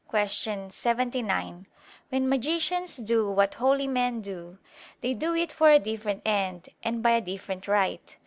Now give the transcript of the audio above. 79): "When magicians do what holy men do, they do it for a different end and by a different right.